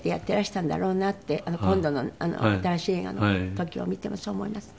今度の新しい映画の時を見てもそう思いますね。